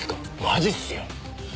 マジっすよ。